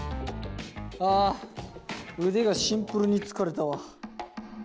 あ腕がシンプルに疲れたわ。